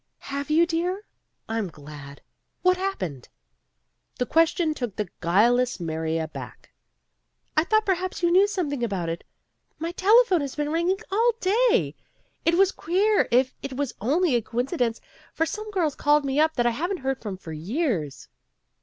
"Have you, dear? I'm glad. What hap pened?" The question took the guileless Mary aback. "I thought perhaps you knew something about it. My telephone has been ringing all day. It was queer if it was only a coincidence, for some girls called me up that I haven't heard from for years."